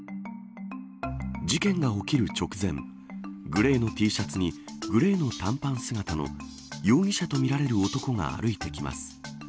事件が起きる直前グレーのＴシャツにグレーの短パン姿の容疑者とみられる男が歩いてきます。